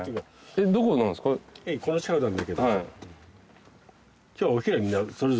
どこなんですか？